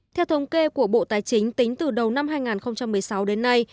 theo thống kê của bộ tài chính tính từ đầu năm hai nghìn một mươi sáu đến nay